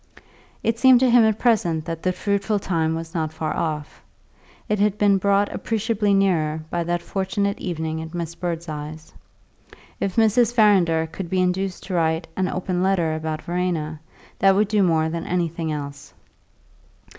It seemed to him at present that the fruitful time was not far off; it had been brought appreciably nearer by that fortunate evening at Miss Birdseye's. If Mrs. Farrinder could be induced to write an "open letter" about Verena, that would do more than anything else.